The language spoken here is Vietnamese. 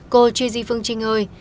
cô gigi phương trinh ơi